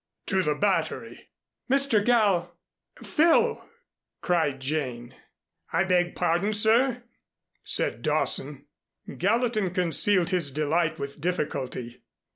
"To the Battery " "Mr. Gal Phil!" cried Jane. "I beg pardon, sir," said Dawson. Gallatin concealed his delight with difficulty.